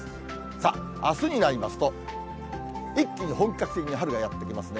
さあ、あすになりますと、一気に本格的に春がやって来ますね。